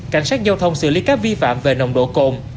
cảnh sát giao thông xử lý các vi phạm về nồng độ cồn